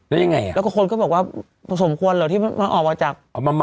แล้วยังไงอ่ะแล้วก็คนก็บอกว่าพอสมควรเหรอที่มันออกมาจาก